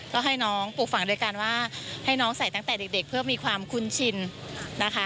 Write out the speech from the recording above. ก็ให้น้องปลูกฝังด้วยกันว่าให้น้องใส่ตั้งแต่เด็กเพื่อมีความคุ้นชินนะคะ